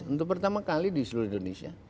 untuk pertama kali di seluruh indonesia